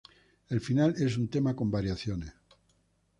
El final es un tema con variaciones.